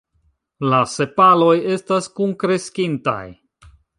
La sepaloj estas kunkreskintaj.